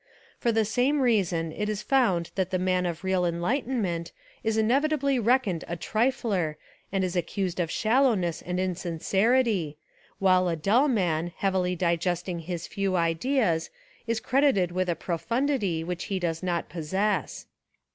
For the same reason it is found that the man of real enlightenment is inevitably reckoned a trifler and is accused of shallowness and insincerity, while a dull man heavily digesting his few ideas is credited with a profundity which he does not possess.